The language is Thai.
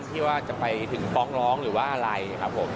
ที่ว่าจะไปถึงฟ้องร้องหรือว่าอะไรครับผม